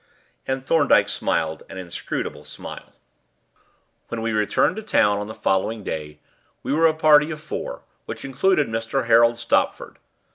And Thorndyke smiled an inscrutable smile. When we returned to town on the following day we were a party of four, which included Mr. Harold Stopford.